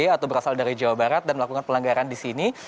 atau berasal dari jawa barat dan melakukan pelanggaran di sini